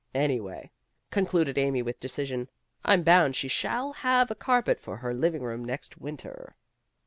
Anyway," concluded Amy with decision, "I'm bound she shall have a carpet for her living room next winter."